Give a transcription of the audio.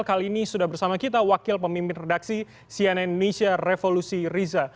kali ini sudah bersama kita wakil pemimpin redaksi cnn indonesia revolusi riza